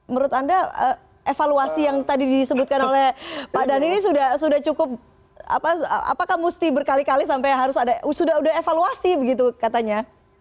menurut anda evaluasi yang tadi disebutkan oleh pak dhani ini sudah cukup apakah mesti berkali kali sampai harus ada sudah evaluasi begitu katanya